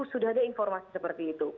sudah ada informasi seperti itu